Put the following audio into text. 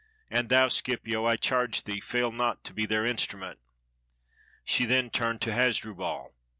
And thou, Scipio, I charge thee, fail not to be their instrument." She then turned to Hasdrubal.